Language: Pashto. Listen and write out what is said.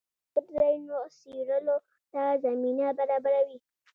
الوتکه د پټ ځایونو څېړلو ته زمینه برابروي.